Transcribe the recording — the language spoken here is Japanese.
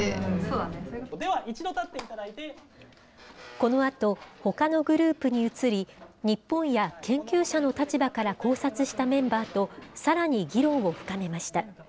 このあと、ほかのグループに移り、日本や研究者の立場から考察したメンバーと、さらに議論を深めました。